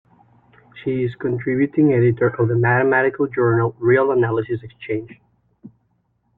She is contributing editor of the mathematical journal "Real Analysis Exchange".